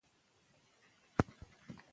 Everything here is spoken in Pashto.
که حلال رزق وګټو نو اولاد نه بد کیږي.